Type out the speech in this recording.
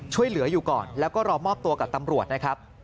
ช่วยเหลืออยู่ก่อนแล้วก็รอมอบตัวกับตำรวจนะครับ